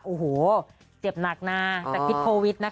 โอ้โหเจ็บหนักนะแต่คิดโควิดนะคะ